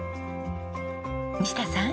西田さん。